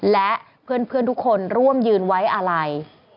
และเพื่อนทุกคนร่วมยืนไว้อาลัย